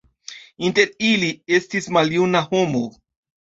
Inter ili estis maljuna homo.